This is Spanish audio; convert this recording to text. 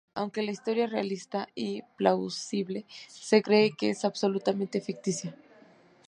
Aunque la historia es realista y plausible, se cree que es absolutamente ficticia.